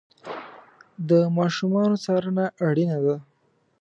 د ماشومانو څارنه اړینه ده.